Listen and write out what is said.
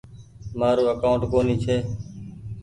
مآرو اڪآونٽ ڪونيٚ ڇي۔